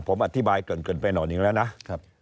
ผมอธิบายเกินไปหน่อยหนึ่งแล้วนะครับ